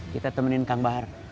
kita temenin kang bahar